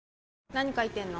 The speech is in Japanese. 何書いてんの？